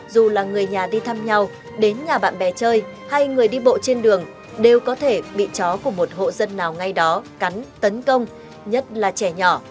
dù là người nhà đi thăm nhau đến nhà bạn bè chơi hay người đi bộ trên đường đều có thể bị chó của một hộ dân nào ngay đó cắn tấn công nhất là trẻ nhỏ